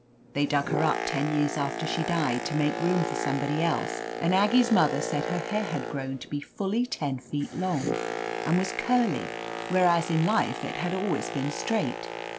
(They dug her up ten years after she died, to make room for somebody else, and Aggie's mother said her hair had grown to be fully ten feet long, and was curly, whereas in life it had always been straight.